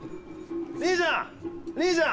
兄ちゃん兄ちゃん！